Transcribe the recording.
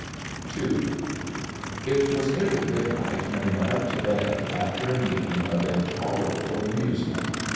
2 It was nearly midnight when he went up to bed, after an evening of intolerable amusement.